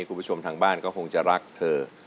คุณผู้ชมทางบ้านก็คงจะรักเธอ